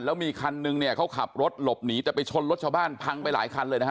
แล้วมีคันนึงเนี่ยเขาขับรถหลบหนีแต่ไปชนรถชาวบ้านพังไปหลายคันเลยนะฮะ